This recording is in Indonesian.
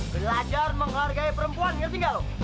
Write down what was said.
belajar menghargai perempuan ngerti gak lu